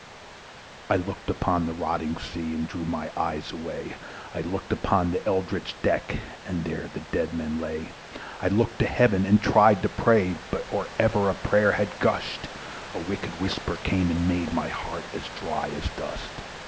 I looked upon the rotting sea, And drew my eyes away; I looked upon the rotting deck, And there the dead men lay. I looked to Heaven, and tried to pray: But or ever a prayer had gusht, A wicked whisper came, and made my heart as dry as dust.